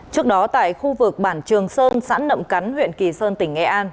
trước đó tại khu vực bản trường sơn xã nậm cắn huyện kỳ sơn tỉnh nghệ an